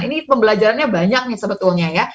ini pembelajarannya banyak nih sebetulnya ya